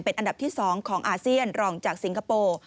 อันดับที่๒ของอาเซียนรองจากสิงคโปร์